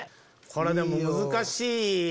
これでも難しい。